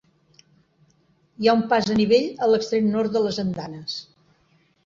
Hi ha un pas a nivell a l'extrem nord de les andanes.